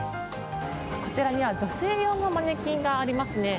こちらには女性用のマネキンがありますね。